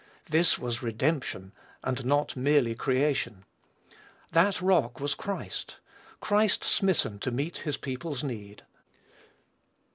This was redemption, and not merely creation. "That rock was Christ," Christ smitten to meet his people's need.